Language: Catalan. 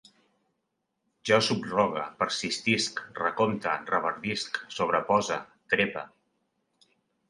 Jo subrogue, persistisc, recompte, reverdisc, sobrepose, trepe